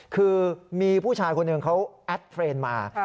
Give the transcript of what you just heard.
คือมีผู้ชายคนหนึ่งเขาแอดเทรนด์มา